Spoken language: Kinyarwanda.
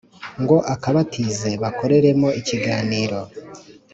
ngo akabatize bakoreremo ikiganiro.